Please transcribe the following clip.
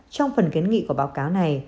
trong phần kiến nghị của báo cáo này